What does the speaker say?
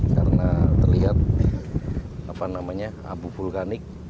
karena terlihat apa namanya abu vulkanik